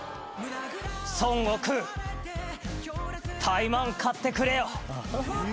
タイマン買ってくれよ。